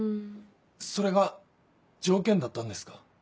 それが条件だったんですか？